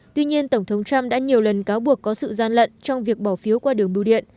tuy nhiên tổng thống trump đã nhiều lần cáo buộc có sự gian lận trong việc bỏ phiếu qua đường bưu điện